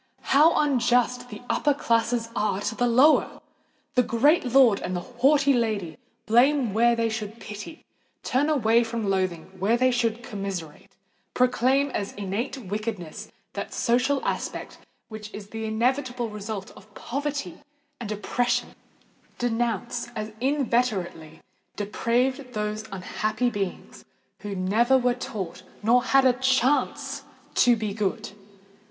how unjust the upper classes are to the lower! The great lord and the haughty lady blame where they should pity—turn away with loathing where they should commiserate—proclaim as innate wickedness that social aspect which is the inevitable result of poverty and oppression—denounce as inveterately depraved those unhappy beings who never were taught nor had a chance to be good!